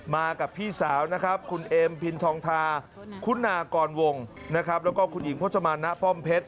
มากับพี่สาวนะครับคุณเอ็มพินทองทาคุณากรวงนะครับแล้วก็คุณหญิงพจมาณป้อมเพชร